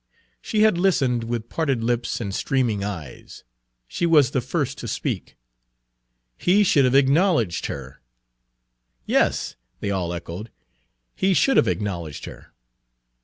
She had listened, with parted lips and streaming eyes. She was the first to speak: "He should have acknowledged her." "Yes," they all echoed, "he should have acknowledged her."